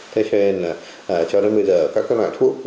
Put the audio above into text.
thế cho nên là cho đến bây giờ các loại thuốc